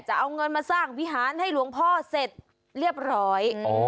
จะเอาเงินมาสร้างวิหารให้หลวงพ่อเสร็จเรียบร้อย